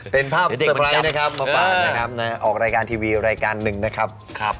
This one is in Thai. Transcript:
เป็นภาพสปรายนะครับออกรายการทีวีรายการหนึ่งนะครับ